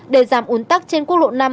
để giảm ồn tắc trên quốc lộ năm